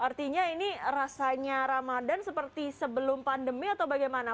artinya ini rasanya ramadan seperti sebelum pandemi atau bagaimana